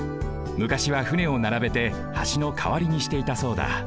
むかしは船をならべて橋のかわりにしていたそうだ。